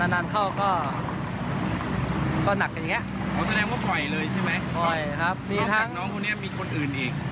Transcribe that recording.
นอกจากน้องคนนี้มีคนอื่นเอง